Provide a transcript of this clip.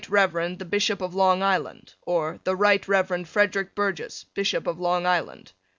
Rev., the Bishop of Long Island. or The Rt. Rev. Frederick Burgess, Bishop of Long Island.